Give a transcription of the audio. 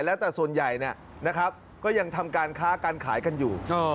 แล้วแต่ส่วนใหญ่นะครับก็ยังทำการค้าการขายกันอยู่